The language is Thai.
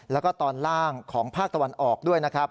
แล้วก็ตอนล่างของภาคตะวันออกด้วยนะครับ